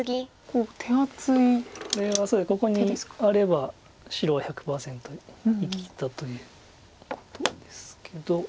これはここにあれば白は１００％生きたということですけど。